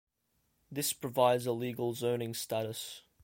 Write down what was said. This provides a legal zoning status.